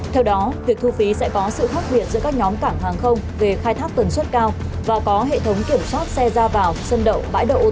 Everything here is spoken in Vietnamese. theo đó việc thu phí sẽ có sự khác biệt giữa các nhóm cảng hàng không về khai thác tần suất cao và có hệ thống kiểm soát xe ra vào sân đậu bãi đậu ô tô